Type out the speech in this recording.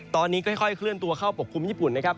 ตอนนี้ก็ค่อยเคลื่อนตัวเข้าปกคลุมญี่ปุ่นนะครับ